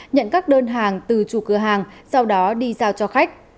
nhận các đơn hàng từ chủ cửa hàng sau đó đi giao cho khách